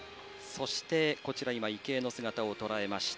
池江の姿をとらえました。